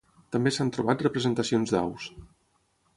També s'han trobat representacions d'aus.